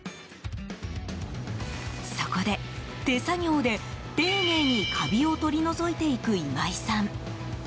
そこで、手作業で丁寧にカビを取り除いていく今井さん。